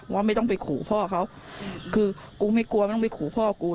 ว่าไม่ต้องไปขู่พ่อเขาคือกูไม่กลัวไม่ต้องไปขู่พ่อกู